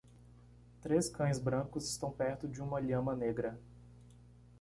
Três cães brancos estão perto de uma lhama negra.